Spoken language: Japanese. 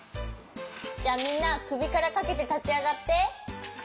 じゃあみんなくびからかけてたちあがって。